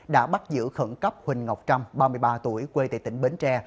đã bắt giữ khẩn cấp huỳnh ngọc trâm ba mươi ba tuổi quê tại tỉnh bến tre